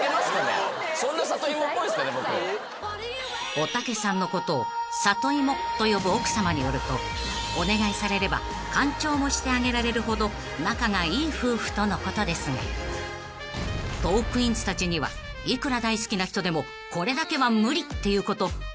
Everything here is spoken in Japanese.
［おたけさんのことを里芋と呼ぶ奥さまによるとお願いされればかん腸もしてあげられるほど仲がいい夫婦とのことですがトークィーンズたちにはいくら大好きな人でもこれだけは無理っていうことあるんでしょうか？］